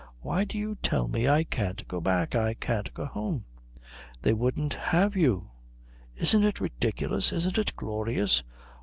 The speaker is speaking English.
Why do you tell me I can't go back, I can't go home?" "They wouldn't have you. Isn't it ridiculous isn't it glorious?"